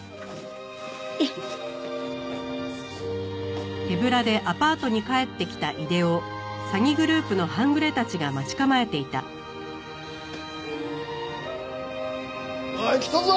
えっ？おい来たぞ！